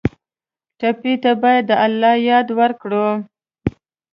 ټپي ته باید د الله یاد ورکړو.